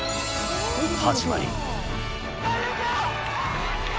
始まり。